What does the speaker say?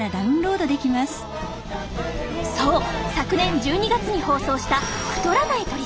そう昨年１２月に放送した太らないトリセツ。